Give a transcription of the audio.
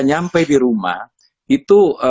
nyampe di rumah itu